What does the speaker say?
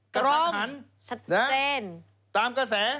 ตรงชัดเจนนะตามกระแส